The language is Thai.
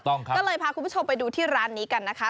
ถูกต้องครับก็เลยพาคุณผู้ชมไปดูที่ร้านนี้กันนะคะ